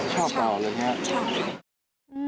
ชอบเหรอเลยคะชอบค่ะชอบ